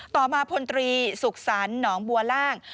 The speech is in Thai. ต่อมาพลตรีสุขสรรค์หนองบัวล่าง